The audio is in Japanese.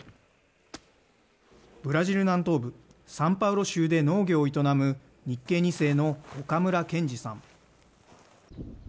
ブラジル南東部サンパウロ州で農業を営む日系２世の岡村健司さん。